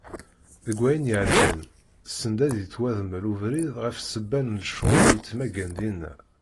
Deg wayen iɛeddan, send ad yettwamdel ubrid ɣef sebba n lecɣal i yettmaggan dinna.